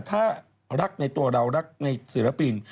ถ้ารักในตัวเรารักในศิลปิน